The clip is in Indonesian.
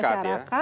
masyarakat ya kan